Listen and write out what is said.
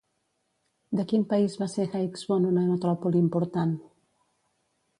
De quin país va ser Heixbon una metròpoli important?